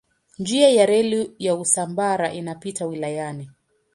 Njia ya reli ya Usambara inapita wilayani.